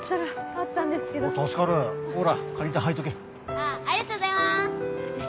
ありがとうございます！